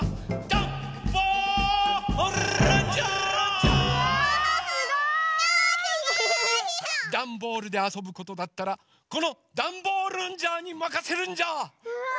ダンボールであそぶことだったらこのダンボールンジャーにまかせるんジャー！うわ！